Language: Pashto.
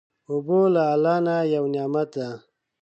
اوبه له الله نه یو نعمت دی.